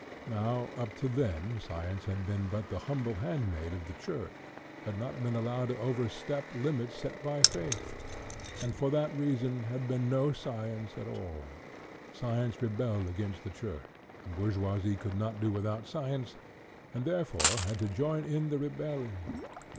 Now up to then science had but been the humble handmaid of the Church, had not been allowed to overstep ,he limits set by faith, and for that reason had been no science at all. Science rebelled against the Church ; the bourgeoisie could not do with ( out science, and, therefore, had to join in the rebellion.